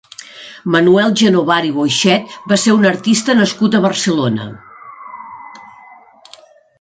Manuel Genovart i Boixet va ser un artista nascut a Barcelona.